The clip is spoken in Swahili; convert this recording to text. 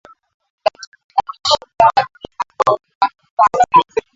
lakini alishindana pia na hao wa kwanza